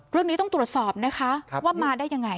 เรื่องนี้ต้องตรวจสอบนะคะว่ามาได้ยังไง